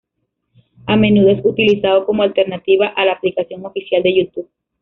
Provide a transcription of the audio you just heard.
A menudo es utilizado como alternativa a la aplicación oficial de YouTube.